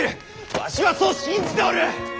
わしはそう信じておる！